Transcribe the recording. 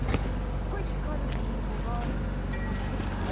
すっごい光るリンゴがある？